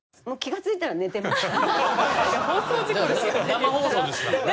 生放送ですからね。